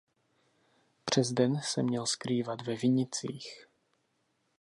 Přes den se měl skrývat ve vinicích.